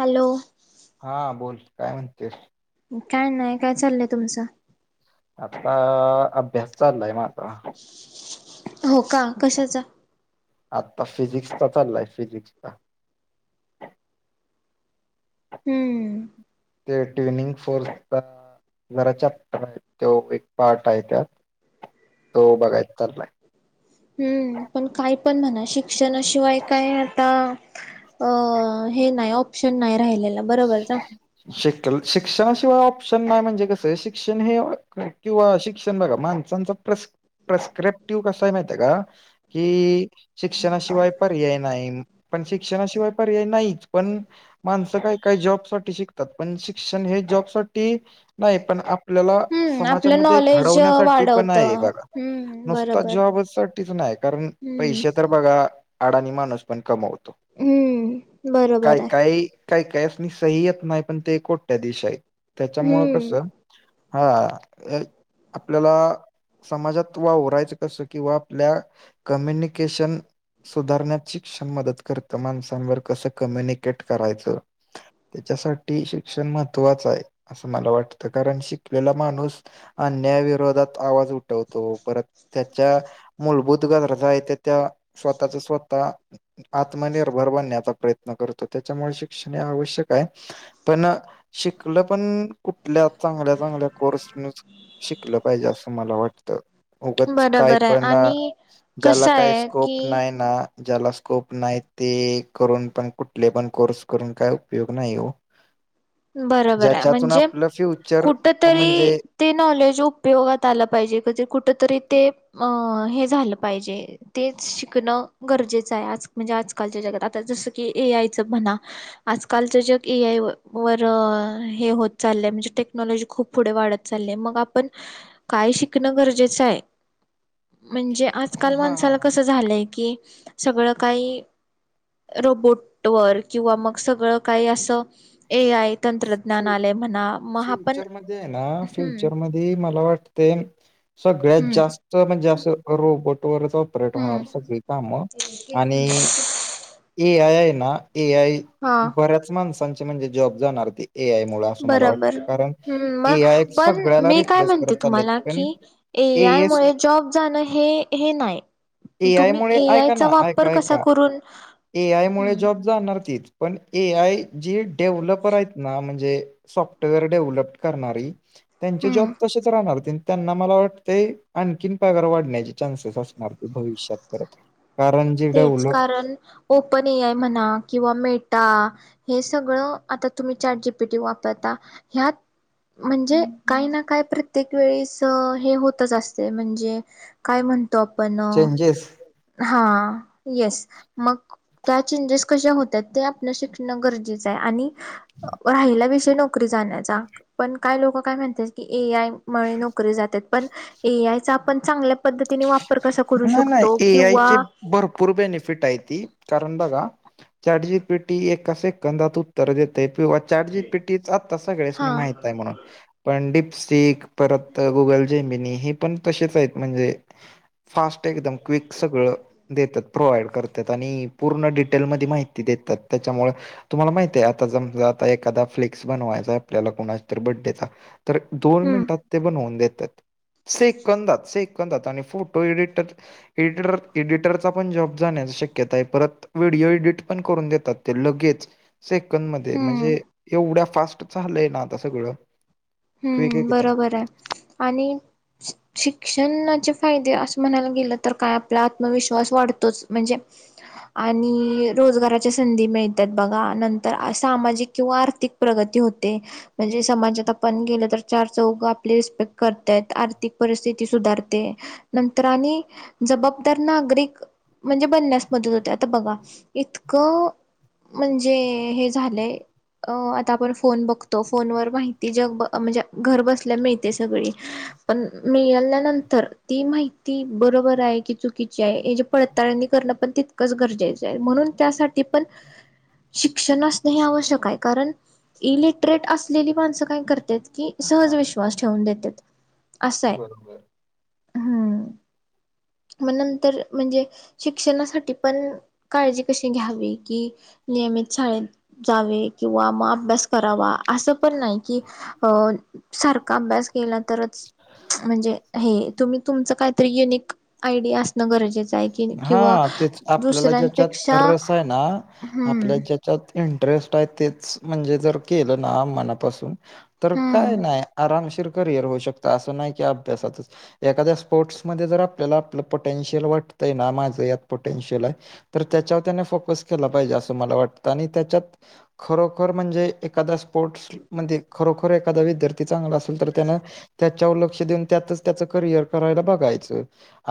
Hello. हा बोल काय म्हणतेस. काय नाही काय चाललंय तुमचं. आता अभ्यास चाललाय मात्र. हो का कशाचा. आता फिजिक्सचा चाललाय फिजिक्सचा. हम्म ते टविनिंग फोर्स. जरा चॅप्टर आहेन तो एक पाठ आहे त्यात तो बघाय चाललाय. हम्म पण काय पण म्हणा शिक्षणाशिवाय काय आता. अ हे नाही ऑप्शन नाही राहिलेला बरोबर ना. शल शिक्षणाशिवाय ऑप्शन नाही म्हणजे कस आहे शिक्षण हे किंवा शिक्षण बघा मान. प्र प्रस्क्रिप्टिव कसा माहिती आहे का की. शिक्षणाशिवाय पर्याय नाही पण शिक्षणाशिवाय पर्याय नाहीच पण माणसं काय. काही जॉब साठी शिकतात पण शिक्षण हे जॉब साठी नाही पण आपल्याला. हम्म आपलं समाजामध्ये नॉलेज घडवण्यासाठी पण वाढवत आहे बघा हम्म नुसता बरोबर जॉब साठीच नाही कारण. हम्म पैसे तर बघा. अडाणी माणूस पण कमवतो हम्म काय बरोबर आहे काही काय काय. सह्यत नाही पण ते कोट्याधीश आहेत त्याच्या मूळ कसं. हम्म हा आपल्याला. समाजात वावरायचं कसं किंवा आपल्या कम्युनिकेशन. सुधारण्यात शिक्षण मदत करतं माणसांवर कसं कम्युनिकेट करायचं. त्याच्यासाठी शिक्षण महत्त्वाचं आहे असं मला वाटतं कारण शिकलेला माणूस. अन्यायविरोधात. आवाज उठवतो परत त्याच्या मूलभूत गरजा आहे त्या त्या. स्वतःच स्वतः. आत्मनिर्भर बनण्याचा प्रयत्न करतो. त्याच्यामुळे शिक्षण हे, आवश्यक काय? पण शिकल पण, कुठल्या चांगल्या चांगल्या कोर्सनच. शिकलं पाहिजे. असं मला वाटतं. उगच काय बरोबर आहे पण, आणि ज्याला कसं काही आहे की स्कोप नाही ना. ज्याला स्कोप नाही. ते करून पण, कुठले पण कोर्स करून. काय उपयोग नाही हो. बरोबरे, ज्याच्यातून म्हणजे आपलं फ्युचर कुठ तरी म्हणजे ते नॉलेज उपयोगात आलं पाहिजे. कधी कुठ तरी ते हे झालं पाहिजे. तेच शिकणं गरजेचं आहे. आज म्हणजे आजकालच्या जगात. आता जसं की, ए आयचं म्हणा. आजकालचं जग ए आय व वर हे होत चाललंय. म्हणजे टेक्नॉलॉजी खूप पुढे वाढत चाललीय. मग आपण काय शिकणं गरजेचंय, म्हणजे हा आजकाल हा माणसाला कस झालंय की, सगळं काही रोबोट वर, किंवा मग सगळं काही असं, ए आय, तंत्रज्ञना आलय म्हणा. मग आपण फ्युचर मध्येय ना, हम्म फ्युचर मध्ये मला वाटते. सगळ्यात हम्म जास्त म्हणजे असं, रोबोट वरचा हम्म लनार सगळी काम. आणि. ए आयये ना, ए आय. हा बऱ्याच माणसांचे म्हणजे जॉब जाणार. ते ए आय मुळ असं मला बरोबर. वाटते कारण हम्म, म ए आय पण सगळ्याला मी काय रिप्लेस म्हणते. करत चाललेत तुम्हाला पण कि, ए आय मुळे जॉब जाणं. हे हे नाय. ए आय तुम्ही मुळे ए ऐका आयचा ना ऐका वापर कसा ऐका करून, ए आय मुळे हम्म जॉब जाणार ती. पण ए आय जी डेव्हलपर आहेत ना. म्हणजे सॉफ्टवेअर डेव्हलपड करणारी. त्यांचे हम्म जॉब तसेच राहणार. त्यांना मला वाटतें. आणखीन पगार वाढण्याचे चान्सेस असणार ते. भविष्यात परत. कारण जे तेच डेव्हलप कारण ओपन ए आय म्हणा. किंवा मेटा. हे सगळं, आता तुम्ही चार जीपीटी वापरता. ह्यात. म्हणजे काही ना काही प्रत्येक वेळेस हे होतच असते. म्हणजे काय म्हणतो आपण. चेंजेस हा. येस. मग त्या चेंजेस कशा होतात. ते आपण शिकणं गरजेचंय. आणि राहिला विषय नोकरी जाण्याचा. पण काय लोक काय म्हणतात की. ए आय मुळे नोकरी जातात. पण ए आय चा आपण चांगल्या पद्धतीने वापर कसा करू नाही नाही शकतो. ए किंवा आयचे भरपूर बेनिफिट आहे ती. कारण बघा. चाट जी पी टी एका कंदातू उत्तर देतय. किंवा चाट जी पी टीच आता हा सगळ्यासनी माहित आहेय म्हणू. पण डीपसिख, परत गुगल जेबिनी. हे पण तसेच आहेत. म्हणजे फास्ट एकदम. क्विक सगळं देतात. प्रोव्हाइड करतात. आणि, पूर्ण डिटेलमध्ये माहिती देतात. त्याच्यामुळे तुम्हाला माहितीये. आता समजा आता एखादा फ्लेक्स बनवायचा आपल्याला. कुणा तर बडेचा. तर दोन हम्म मिनिटात ते बनवून देतात. सेकंदात, सेकंदात. आणि फट तो एडिटर एडिटर एडिटरचा पण जॉब जाण्याची शक्यता य. परत व्हिडिओ एडिट पण करून देतात ते. लगेच. सेकंद मध्ये. हम्म म्हणजे एवढ्या फास्ट झालंय ना, आता सगळं. क्विक हम्म. एकदम बरोबरे आणि शिक्षणाचे फायदे असं म्हणायला गेलं तर काय? आपला आत्मविश्वास वाढतोच. म्हणजे आणि रोजगाराच्या संधी मिळतात बघा. नंतर सामाजिक किंवा आर्थिक प्रगती होते. म्हणजे समाजत आपण गेलं तर चार चौघ आपली रिस्पेक्ट करतात. आर्थिक परिस्थिती सुधारते. नंतर आनी. जबाबदार नागरीक म्हणजे बनण्यास मदत होते आता बघा इतकं.... म्हणजे हे झालंय आता आपण फोन बघतो फोन व माहिती... ती जग ब म्हणजे घर बसल्या मिळते सगळी... पण मिळाल्यानंतर ती माहिती बरोबर आहे कि चुकीची आहे ज पत... डाहाळणी करणं पण तितकंच गरजेचं आहे म्हणून त्यासाठी पण... शिक्षण असण हे आवश्यक आहे कारण इलिटरेट असलेली माणसं... काय करत की सहज हा विश्वास ठेवून देतेत असंय... बरोबर हम्म मग नंतर म्हणजे शिक्षणासाठी पण.... काळजी कशी घ्यावी की नियमित शाळेेत... जावे किंवा मग अभ्यास करावा असं पण नाही.... कि अ सारखा अभ्यास केला तरच... म्हणजे हे तुम्ही तुमचं काहीतरी युनिक आयडिया असणं गरजेचं आहे... की हा किंवा तेच आपल्याला ज्याच्यात दुसऱ्यांपेक्षा रस आहे ना आपल्या हम्म ज्या... त इंटरेस्ट आहे तेच म्हणजे जर केलं ना मनापासून... तर काय हम्म नाही आरामशीर करिअर होऊ शकत असं नाही की अभ्यासातच.. एखाद्या स्पोर्ट्समध्येध्ये जर आपल्याला आपलं पोटेन्शियल वाटतंय ना माझं यात पोटेन्शियल आहे.... तर त्याच्यावर त्याने फोकस केला पाहिजे असं मला वाटतं आणि त्याच्यात.... खरोखर म्हणजे एखादा स्पोर्ट्स मध्ये खरोखर एखादा विद्यार्थी चांगला असत... नंतर त्याने... लक्ष देत त्यातच त्याच करियर करायला बघायचं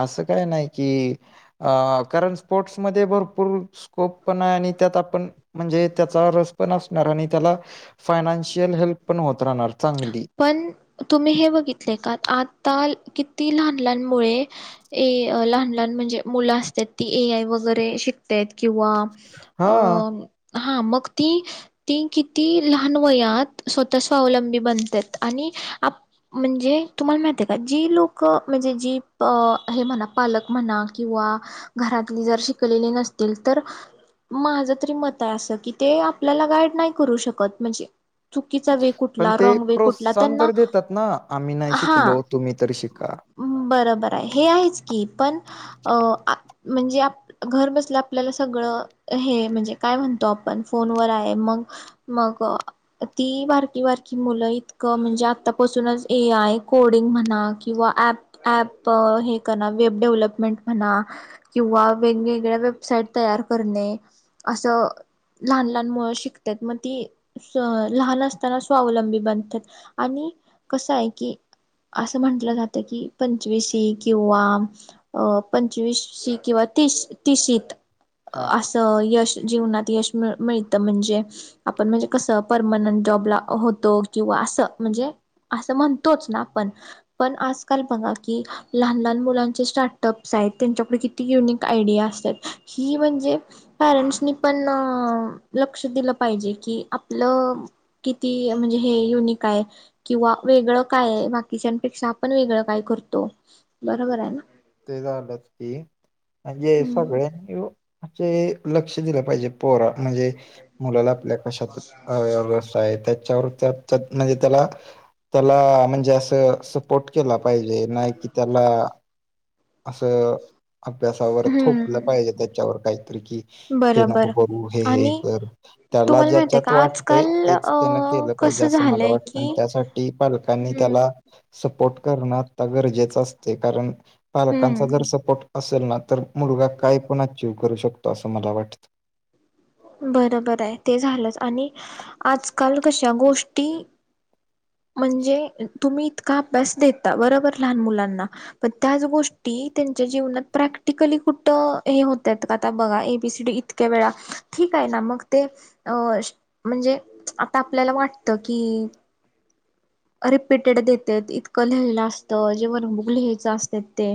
असं काय नाही की, अ कारण स्पोर्ट्समध्ये भरपूर स्कोप पण आहे आणि त्यात आपण म्हणजे त्याचा रस पण असणार आणि त्याला.. फायनान्शियल हेल्प पण होत राहणार... चांगली... पण तुम्ही हे बघितले का आता किती लहान लहान मुले... ए लहान लहान म्हणजे मुलं असतात ती ए आय वगैरे शिक... किंवा हां, अ... हा मग ती ती किती लहान वयात स्वतः स्वावलंबी बनतात.... आणि आप... म्हणजे तुम्हाला माहिती आहे का जी लोक म्हणजे जी हे म्हणा पालक म्हणा किंवा... घरातली जर शिकलेली नसतील तर... माझं तरी मत आहे असं की ते आपल्याला गाईड नाही करू शकत म्हणजे.. चुकीचा वे कुठला रॉग वे कुठला.. सण त्यांना तर देतात ना आम्ही नाही शिकलो तुम्ही तर शिका... बरबर आहे हे आहेच की पण अ म्हणजे... घर बसलं आपल्याला सगळं हे म्हणजे काय म्हणतो आपण फोनवर आहे मग.... मग ती बारकी बारकी मुलं इ... म्हणजे आतापासूनच ए आय कोडिंग म्हणा किंवा ऍप.... ॲप हे कणा वेब डेव्हलपमेंट म्हणा.... किंवा वेगवेगळ्या वेबसाईट तयार करणे असं.... लहान लहान मुळ शिकतात मग ती लहान असताना स्वावलंबी बनतात.... आणि कसं आहे की... असं म्हटलं जातं की पंचवीशी किंवा.... अ पंचवीशी किंवा त तीशीत हां, अस.... यश जीवनात यश मिळ मिळतं म्हणजे.... आपण म्हणजे कसं परमनंट जॉबला होतो किंवा अस... म्हणजे असं म्हणतोच ना आपण... पण आजकाल बघा की लहान लहान मुलांचे स्टार्टअप्स आहेत त्यांच्यापैकी... ती युनिक आयडिया असतात ही म्हणजे.... पॅरेंट्सनी पण लक्ष दिलं पाहिजे कि आपलं.... किती म्हणजे हे युनिक काय किंवा वेगळं काय बाकीच्यापेक्षा आपण वेगळं काय करतो बरोबर आहे ना ते झालं की म्हणजे हम्म सगळ्यांनीे लक्ष दिलं पाहिजे पोरा म्हणजे मुलाला आपल्या कशात रस् आहे त्याच्यावर त्या म्हणजे त्याला त्याला म्हणजे असं सपोर्ट केला पाहिजे नाही कि त्याला असं अभ्यासावर थोपलं हम्म पाहिजे त्याच्यावर काहीतरी की हे नको बरोबर करू हे हे आणि कर त्याला तुम्हाला माहित आहे का ज्याच्यात वाटतंय आजकाल तेच अ त्यान केलं पाहिजे कसं असं मला झालंय वाटतं की आणि त्यासाठी टी पालकांनी हम्म त्याला सपोर्ट करणं आता गरजेचं असते कारण पालकांचा हम्म जर सपोर्ट असेल ना तर मुलगा काय पण अचीव करू शकतो असं मला वाटतं बर बर आहे ते झालंच आणि आजकाल कशा गोष्टी म्हणजे तुम्ही इतका अभ्यास देता बरोबर लहान मुलांना पण त्याच गोष्टी त्यांच्या जीवनात प्रॅक्टिकली कुठ हे होत का आता बघा एबीसीडी इतके वळा ठीक आहे ना मग ते अ म्हणजे आता आपल्याला वाटतं की रिपीटेड देत इतकं लिहिलं असतं जेवनबुक लिहायचं असत ते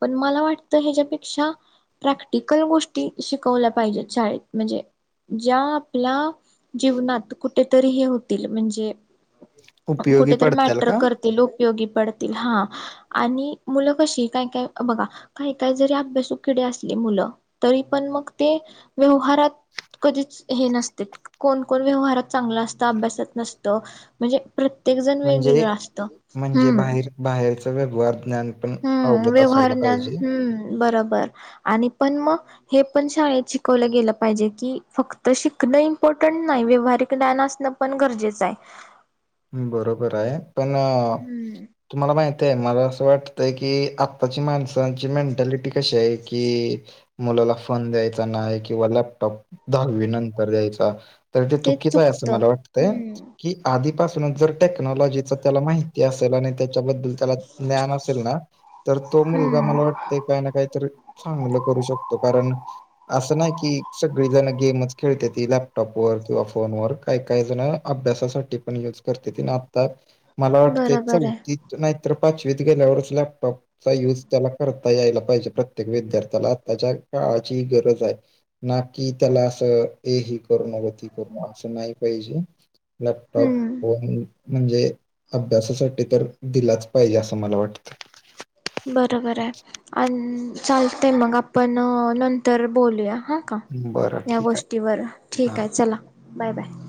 पण मला वाटतं ह्याच्यापेक्षा प्रॅक्टिकल गोष्टी शिकवल्या पाहिजेत शाळेत म्हणजे ज्या आपल्या जीवनात कुठेतरी हे होतील म्हणजे उपयोगी कुठेेत पडतील मॅटर का करतील उपयोगी पडतील हा आणि मुलं कशी काय काय बघा काही काय जरी अभ्यासूकिडे असले मुलं तरी पण मग ते व्यवहारात कधीच हे नसते कोणकण व्यवहारात चांगलं असतं अभ्यासात नसतं म्हणजे प्रत्येक जण म्हणजे वेगवेगळं असतं म्हणजे हम्म बाहेर बाहेरच व्यवहार ज्ञान पण हम्म अवगत व्यवहार असायला ज्ञान पाहिजे हम्म बरोबर आणि पण मग हे पण शाळेत शिकवलं गेलं पाहिजे की फक्त शिकणं इम्पॉर्टंट नाही व्यवहारिक ज्ञान असणं पण गरजेचं आहे बरोबर आहे पण हम्म तुम्हाला माहित आहे मला असं वाटतय की आत्ताची माणसांची मेंटॅलिटी कशी आहे की मुलाला फोन द्यायचा नाही किंवा लॅपटॉप दहावी नंतर द्यायचा तर ते चुकीचं आहे असं चुकतं मला वाटतंय हम्म की आधीपासूनच जर टेक्नॉलॉजी त्याला माहिती असेल आणि त्याच्याबद्दल त्याला ज्ञान असेल ना तर तो मुलगा मला हम्म वाटत काही ना काहीतरी चांगलं करू शकतो कारण असं नाही की सगळीजण गेमच खेळते ती लॅपटॉपवरर किंवा फोनवर काही काही जण अभ्यासासाठी पण युज करते आता मला वाटते बरोबर आहे चौथ नाहीत पाचवीत गेल्यावरच लॅपटॉप चा यूज त्याला करता यायला पाहिजे प्रत्येक विद्यार्थ्याला आ त्याच्या काळाची गरज आहे ना कि त्याला असं ए ह करण गती करण असं नाही पाहिजे टॉप हम्म वन म्हणजे अभ्यासासाठी तर दिलाच पाहिजे असं मला वाटतं बरोबर आहे आणि चालते मग आपण नंतर बोलूया हा का वाटतं बरं या ठीक आहे गोष्टीवर ठीक हा आहे चला बाय बाय